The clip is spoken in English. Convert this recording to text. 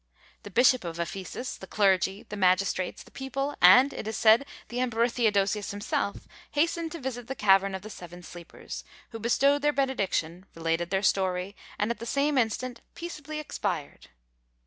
The Bishop of Ephesus, the clergy, the magistrates, the people, and, it is said, the Emperor Theodosius himself, hastened to visit the cavern of the Seven Sleepers; who bestowed their benediction, related their story, and at the same instant peaceably expired.